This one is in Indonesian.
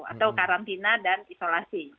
atau karantina dan isolasi